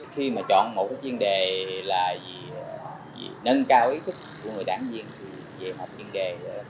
khi mà chọn một chuyên đề là vì nâng cao ý thức của người đảng viên về họp chuyên đề